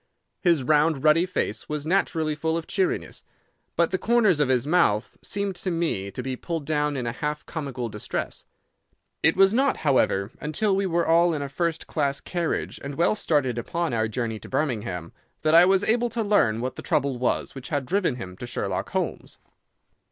His round, ruddy face was naturally full of cheeriness, but the corners of his mouth seemed to me to be pulled down in a half comical distress. It was not, however, until we were all in a first class carriage and well started upon our journey to Birmingham that I was able to learn what the trouble was which had driven him to Sherlock Holmes.